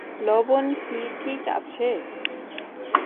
লবণ কি ঠিক আছে?